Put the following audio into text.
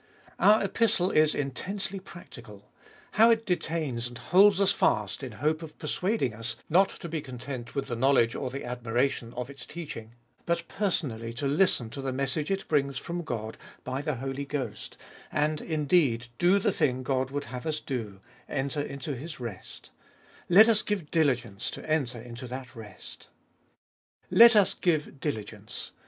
OUR Epistle is intensely practical. How it detains and holds us fast in hope of persuading us not to be content with the know ledge or the admiration of its teaching, but personally to listen to the message it brings from God by the Holy Ghost, and indeed do the thing God would have us do — enter into His rest Let us give diligence to enter into that rest. Let us give diligence.